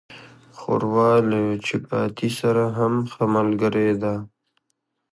ښوروا له چپاتي سره هم ښه ملګری ده.